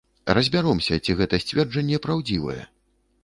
Разбяромся, ці гэта сцверджанне праўдзівае.